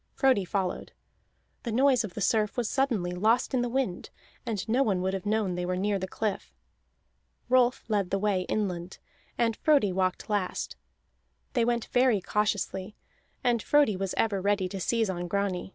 Frodi followed. The noise of the surf was suddenly lost in the wind, and no one would have known they were near the cliff. Rolf led the way inland, and Frodi walked last; they went very cautiously, and Frodi was ever ready to seize on Grani.